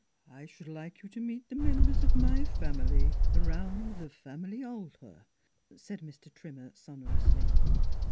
" I should like you to meet the members of my family around the family altar," said Mr. Trimmer sonorously.